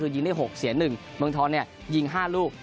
ยิงได้๖เสีย๑เมืองทองยิง๕ลูก